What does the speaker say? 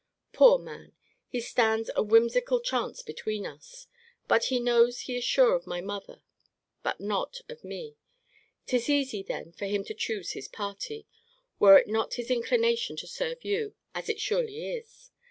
Poor man! He stands a whimsical chance between us. But he knows he is sure of my mother; but not of me. 'Tis easy then for him to choose his party, were it not his inclination to serve you, as it surely is.